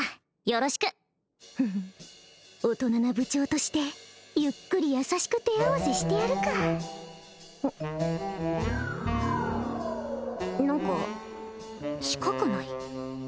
よろしくフフ大人な部長としてゆっくり優しく手合わせしてやるか何か近くない？